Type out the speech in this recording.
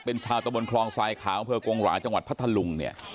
เป็นชาวตะบนครองสายขาวองค์เผลกวงหวานจังหวัดพัทธลุงเนี่ย